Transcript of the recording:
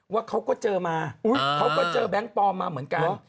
ว่าเขาก็เจอมาเขาก็เจอแบงค์ปลอมมาเหมือนกัน